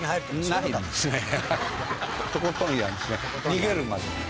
逃げるまで。